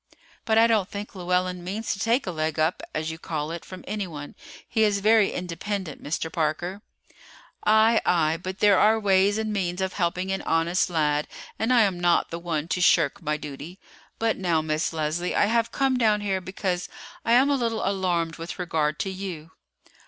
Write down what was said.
"But I don't think Llewellyn means to take a leg up, as you call it, from anyone; he is very independent, Mr. Parker." "Aye, aye; but there are ways and means of helping an honest lad, and I am not the one to shirk my duty. But now, Miss Leslie, I have come down here because I am a little alarmed with regard to you."